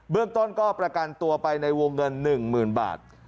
เรื่องต้นก็ประกันตัวไปในวงเงิน๑๐๐๐บาท